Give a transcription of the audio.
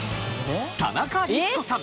田中律子さん